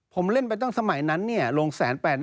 ผมเล่นไปตั้งสมัยนั้นเนี่ยลงแสนแปด